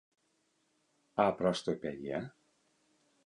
А пра што пяе?